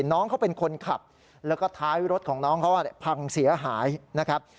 น้องเขาเป็นคนขับแล้วก็ท้ายรถของน้องเขาพังเสียหายนะครับ